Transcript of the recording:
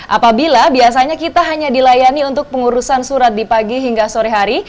apabila biasanya kita hanya dilayani untuk pengurusan surat di pagi hingga sore hari